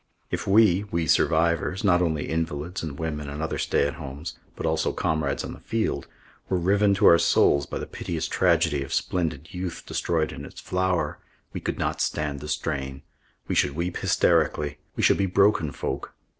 If we we survivors, not only invalids and women and other stay at homes, but also comrades on the field were riven to our souls by the piteous tragedy of splendid youth destroyed in its flower, we could not stand the strain, we should weep hysterically, we should be broken folk.